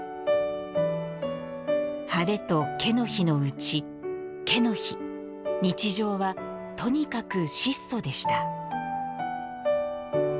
ハレとケの日のうち、ケの日日常はとにかく質素でした。